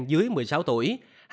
dưới một mươi sáu tuổi